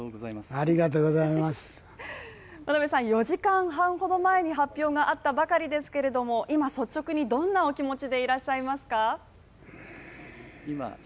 ４時間ほど前に発表があったばかりですけれども、今率直にどんなお気持ちでいらっしゃいますか？